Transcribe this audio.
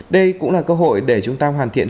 đây cũng là cơ hội để chúng ta hoàn thiện